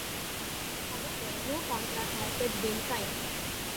However, no contract has yet been signed.